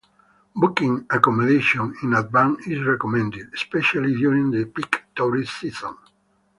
Booking accommodation in advance is recommended, especially during the peak tourist season.